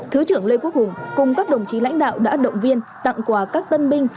thứ trưởng lê quốc hùng cùng các đồng chí lãnh đạo đã động viên tặng quà các tân binh